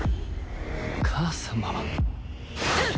母様！？